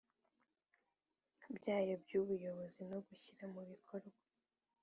Byayo by ubuyobozi no gushyira mu bikorwa